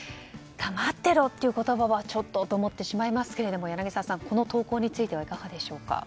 黙ってろという言葉はちょっとと思ってしまいますが柳澤さん、この投稿についてはいかがでしょうか？